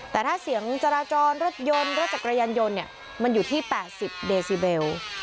แต่ถ้าเสียงจราจรรถยนต์รถจักรยานยนต์เนี่ยมันอยู่ที่๘๐เดซิเบล